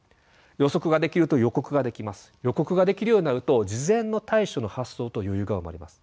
予告ができるようになると事前の対処の発想と余裕が生まれます。